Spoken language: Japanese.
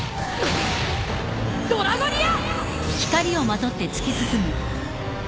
ドラゴニア！